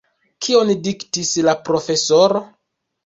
Kion diktis la profesoro?